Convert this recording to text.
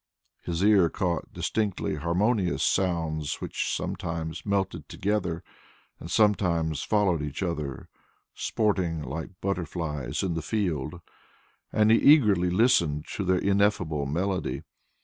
His ear caught distinctly harmonious sounds, which sometimes melted together and sometimes followed each other, sporting like butterflies in the field, and he eagerly listened to their ineffable melody.